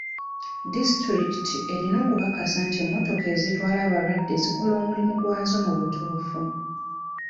Disitulikiti erina okukakasa nti emmotoka ezitwala abalwadde zikola omulimu gwazo omutuufu.